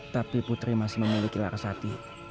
tapi putri masih memiliki larasati